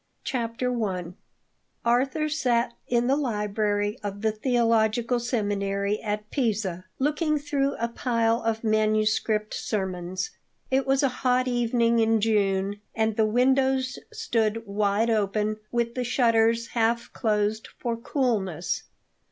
THE GADFLY PART I. CHAPTER I. Arthur sat in the library of the theological seminary at Pisa, looking through a pile of manuscript sermons. It was a hot evening in June, and the windows stood wide open, with the shutters half closed for coolness.